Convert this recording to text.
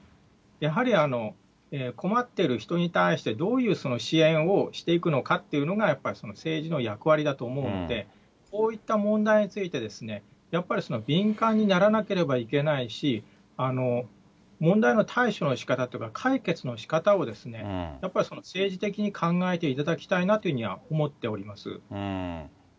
やはり困っている人に対して、どういう支援をしていくのかっていうのが、やっぱり政治の役割だと思うんで、こういった問題について、やっぱり敏感にならなければいけないし、問題の対処のしかたっていうか、解決のしかたを、やっぱり政治的に考えていただきたいなとは思っております。